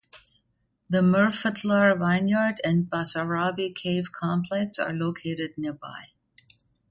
The Murfatlar Vineyard and Basarabi Cave Complex are located nearby.